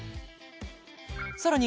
さらに